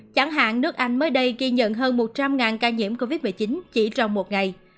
chẳng hạn nước anh mới đây ghi nhận hơn một trăm linh ca nhiễm covid một mươi chín chỉ trong một ngày